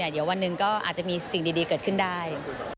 เดี๋ยววันหนึ่งก็อาจจะมีสิ่งดีเกิดขึ้นได้